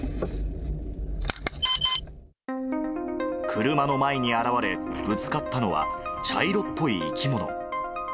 車の前に現れ、ぶつかったのは、茶色っぽい生き物。